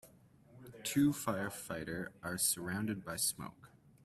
Two firefighter are surrounded by smoke.